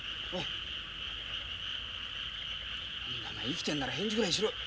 生きてんなら返事ぐらいしろや。